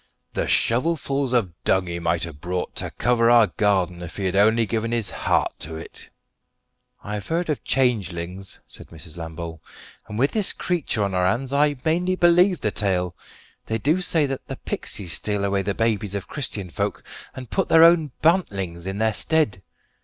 The shovelfuls of dung he might have brought to cover our garden if he had only given his heart to it!" "I've heard of changelings," said Mrs. Lambole; "and with this creetur on our hands I mainly believe the tale. They do say that the pixies steal away the babies of Christian folk, and put their own bantlings in their stead.